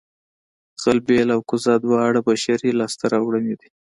غلبېل او کوزه دواړه بشري لاسته راوړنې دي